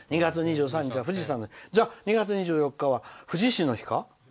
じゃあ、２月２４日は富士市の日か？